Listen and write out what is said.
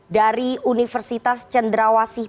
dari universitas cenderawasih